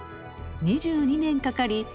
２２年かかり